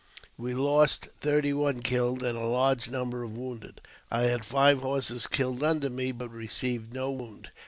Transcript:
We lost thirty one killed, and a large number wounded. I had five horses killed under me but received no wound.